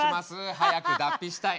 早く脱皮したい。